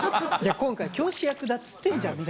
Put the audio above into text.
今回、教師役だって言ってんじゃんって。